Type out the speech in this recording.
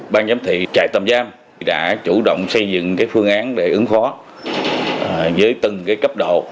ban giám thị trại tầm giam đã chủ động xây dựng phương án để ứng phó với từng cấp độ